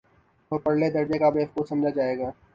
تو پرلے درجے کا بیوقوف سمجھا جائے گا۔